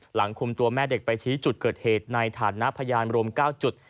หลังคุมตัวแม่เด็กไปชี้จุดเกิดเหตุในฐานะพยานรวม๙จุด